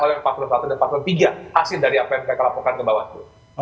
oleh pak prabowo dan pak prabowo tiga hasil dari apa yang mereka laporkan ke bawah seluruh